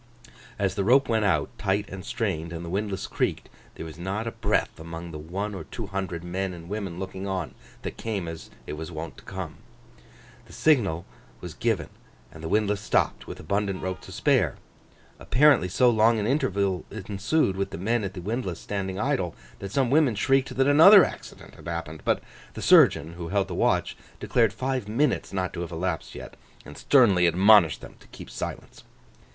As the rope went out, tight and strained, and the windlass creaked, there was not a breath among the one or two hundred men and women looking on, that came as it was wont to come. The signal was given and the windlass stopped, with abundant rope to spare. Apparently so long an interval ensued with the men at the windlass standing idle, that some women shrieked that another accident had happened! But the surgeon who held the watch, declared five minutes not to have elapsed yet, and sternly admonished them to keep silence.